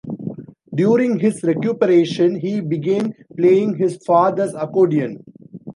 During his recuperation, he began playing his father's accordion.